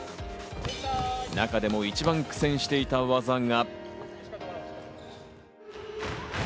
中でも一番苦戦していた技が。